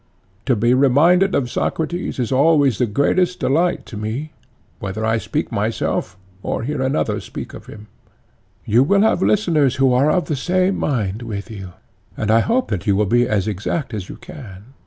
To be reminded of Socrates is always the greatest delight to me, whether I speak myself or hear another speak of him. ECHECRATES: You will have listeners who are of the same mind with you, and I hope that you will be as exact as you can.